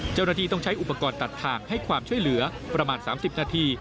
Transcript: เจ้าหน้าที่ต้องใช้อุปกรณ์ตัดทางให้ความช่วยเหลือประมาณ๓๐นาที